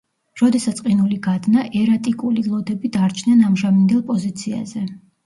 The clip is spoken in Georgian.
როდესაც ყინული გადნა, ერატიკული ლოდები დარჩნენ ამჟამინდელ პოზიციაზე.